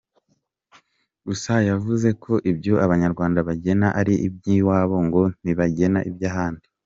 Gusa yavuze ko ibyo abanyarwanda bagena ari iby’ iwabo ngo ntibagena iby’ ahandi.